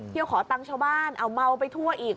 ขอตังค์ชาวบ้านเอาเมาไปทั่วอีก